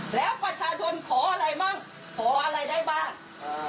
แล้วประชาชนขออะไรบ้างขออะไรได้บ้างเออ